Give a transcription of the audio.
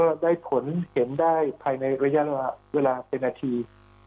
ได้ผลเห็นได้ภายในระยะเวลาเป็นนาที